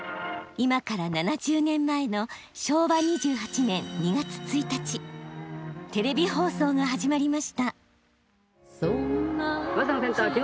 今から７０年前の昭和２８年２月１日テレビ放送が始まりました。